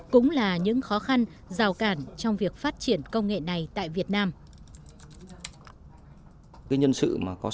cũng là những khó khăn rào cản trong việc phát triển công nghệ này tại việt nam